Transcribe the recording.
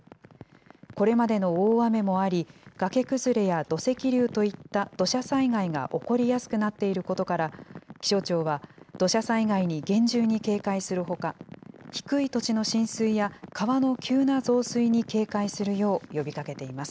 これまでの大雨もあり、崖崩れや土石流といった土砂災害が起こりやすくなっていることから、気象庁は土砂災害に厳重に警戒するほか、低い土地の浸水や川の急な増水に警戒するよう呼びかけています。